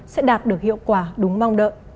sẽ đạt được hiệu quả đúng mong đợi